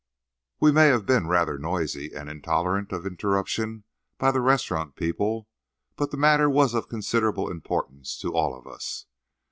We may have been rather noisy and intolerant of interruption by the restaurant people; but the matter was of considerable importance to all of us.